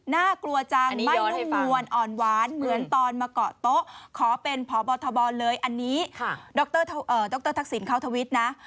น่ากลัวจังไม่นุ่มนวลอ่อนหวานเหมือนตอนมาเกาะโต๊ะขอเป็นพบทบเลยอันนี้ดรทักษิณเขาทวิตนะ